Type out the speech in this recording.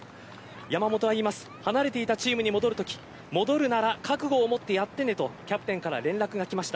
山本は言います、離れていたチームに戻るとき戻るなら覚悟を持ってやってねとキャプテンから連絡が来ました。